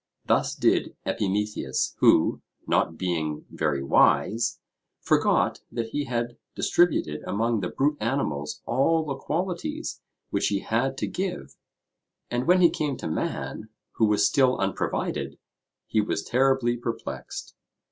Thus did Epimetheus, who, not being very wise, forgot that he had distributed among the brute animals all the qualities which he had to give, and when he came to man, who was still unprovided, he was terribly perplexed.